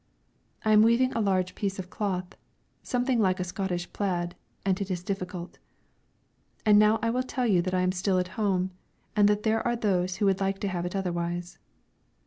I am weaving a large piece of cloth, something like a Scotch plaid, and it is difficult. And now I will tell you that I am still at home, and that there are those who would like to have it otherwise.